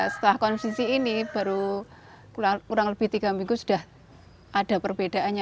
setelah konsumsi ini baru kurang lebih tiga minggu sudah ada perbedaannya